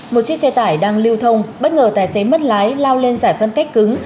một chiếc xe tải đang lưu thông bất ngờ tài xế mất lái lao lên giải phân cách cứng